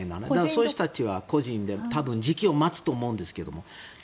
そういう人たちは個人で多分、時期を待つと思うんですけど。